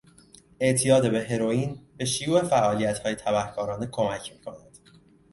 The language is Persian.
اعتیاد به هرویین به شیوع فعالیتهای تبهکارانه کمک میکند.